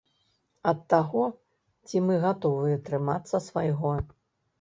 Ад таго, ці мы гатовыя трымацца свайго.